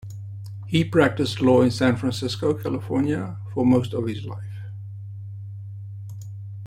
He practiced law in San Francisco, California for most of his life.